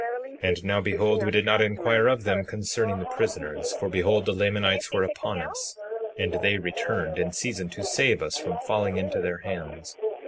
And now behold, we did not inquire of them concerning the prisoners; for behold, the Lamanites were upon us, and they returned in season to save us from falling into their hands.